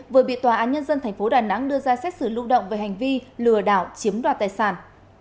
vừa bị tòa án nhân dân tp đà nẵng đưa ra xét xử lưu động về hành vi lừa đảo chiếm đoạt tài sản